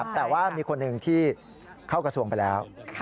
แต่ว่ามีคนหนึ่งที่เข้ากระทรวงไปแล้ว